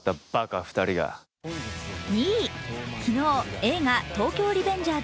２位、昨日、映画「東京リベンジャーズ